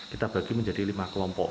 kita bagi menjadi lima kelompok